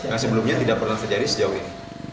yang sebelumnya tidak pernah terjadi sejauh ini